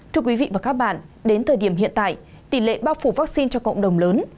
thưa quý vị và các bạn đến thời điểm hiện tại tỷ lệ bao phủ vaccine cho cộng đồng lớn